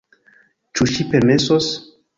Ĉu ŝi permesos,?